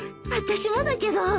あたしもだけど。